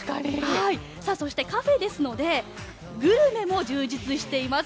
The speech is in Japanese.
そしてカフェですのでグルメも充実しています。